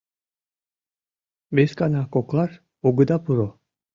Вескана коклаш огыда пуро.